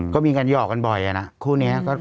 ก็มีการหยอกกันบ่อยนะคู่นี้